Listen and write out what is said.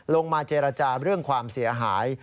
ลงมาเจรจาเรื่องความเสียหาย